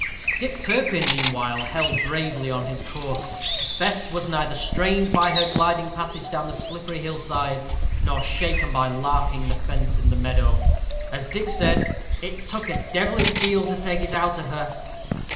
_ Dick Turpin, meanwhile, held bravely on his course. Bess was neither strained by her gliding passage down the slippery hill side nor shaken by larking the fence in the meadow. As Dick said, "It took a devilish deal to take it out of her."